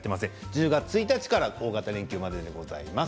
１０月１日から大型連休まででございます。